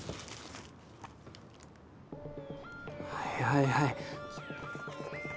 はいはいはい。